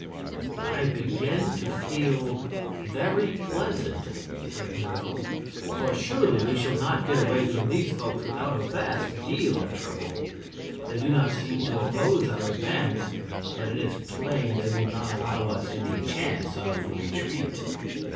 "I begin to feel very pleasant," said Nerle, "for surely we shall not get away from these folks without a vast deal of trouble. They do not seem to oppose our advance, but it is plain they will not allow us any chance of retreat."